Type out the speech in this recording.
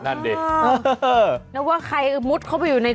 นั้นดิ